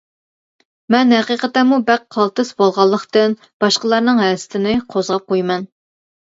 مەن ھەقىقەتەنمۇ بەك قالتىس بولغانلىقتىن، باشقىلارنىڭ ھەسىتىنى قوزغاپ قويىمەن.